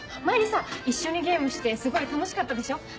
前にさ一緒にゲームしてすごい楽しかったでしょ？